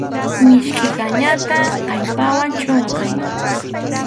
Miskʼi kañata kallpawan chʼunqay.